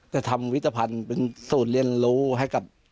จะทำวิจภัณฑ์เป็นสูตรเรียนรู้ให้กับ